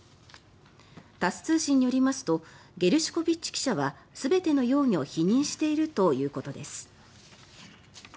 タス通信によりますとゲルシュコビッチ記者は全ての容疑を否認しているということです。